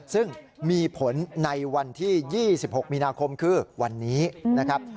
ซึ่งมีผลในวันที่๒๖มีนาคมคือวันนี้นะครับ